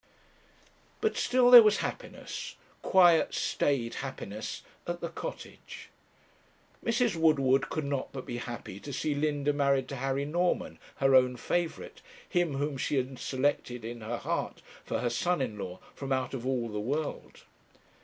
But still there was happiness quiet, staid happiness at the Cottage. Mrs. Woodward could not but be happy to see Linda married to Harry Norman, her own favourite, him whom she had selected in her heart for her son in law from out of all the world.